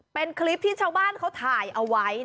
เป็นคลิปที่ชาวบ้านเขาถ่ายเอาไว้